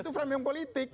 itu framing politik